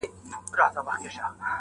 هیڅ درک نه لګي